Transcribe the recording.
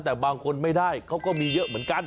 แต่บางคนไม่ได้เขาก็มีเยอะเหมือนกัน